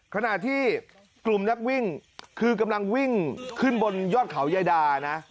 ขณะที่กลุ่มนักวิ่งคือกำลังวิ่งขึ้นบนยอดเขายายดานะ